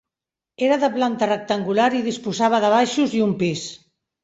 Era de planta rectangular i disposava de baixos i un pis.